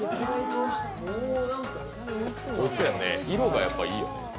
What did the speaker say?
色がやっぱいいよ。